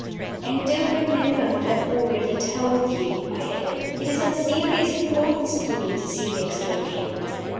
"And do remember what I have already told you," I added. "It is of serious importance to me to see Dexter again."